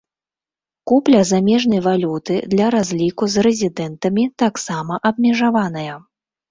Купля замежнай валюты для разлікаў з рэзідэнтамі таксама абмежаваная.